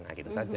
nah gitu saja